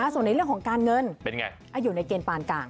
ส่วนในเรื่องของการเงินอยู่ในเกณฑ์ปานกลาง